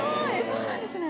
そうなんですね。